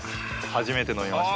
初めて飲みました。